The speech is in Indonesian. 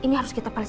ya yaudah paksa